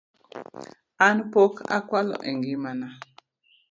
An pok akwalo e ngima na